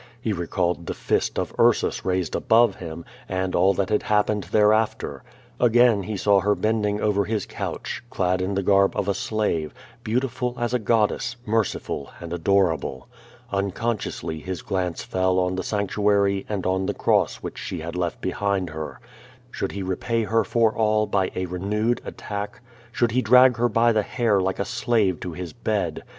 He recalled the fist of Ursus raised above him, and all that had happened thereafter. Again he saw her bending over his couch, clad in the garb of a slave, beautiful as a god dess, merciful and adorable. Unconsciously his glance fell on the sanctuary and on the cross which she had left behind her. Should he repay her for all by a renewed attack? Should he drag her by the hair like a slave to his bed?